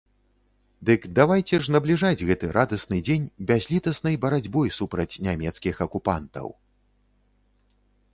Дык давайце ж набліжаць гэты радасны дзень бязлітаснай барацьбой супраць нямецкіх акупантаў!